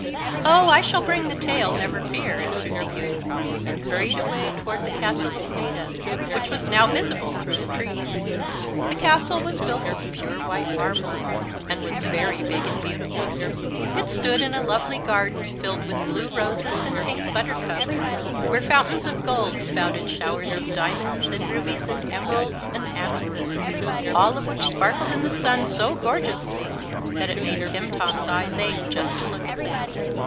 "Oh, I shall bring the tail, never fear," answered the youth, and hurried away toward the castle of Maetta, which was now visible through the trees. The castle was built of pure, white marble, and was very big and beautiful. It stood in a lovely garden filled with blue roses and pink buttercups, where fountains of gold spouted showers of diamonds, and rubies, and emeralds, and amethysts, all of which sparkled in the sun so gorgeously that it made Timtom's eyes ache just to look at them.